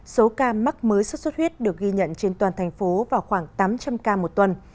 số ca mắc mới xuất xuất huyết được ghi nhận trên toàn thành phố vào khoảng tám trăm linh ca một tuần